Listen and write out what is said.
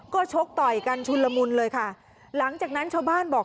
ก็ชกต่อยกันชุนละมุนเลยค่ะหลังจากนั้นชาวบ้านบอก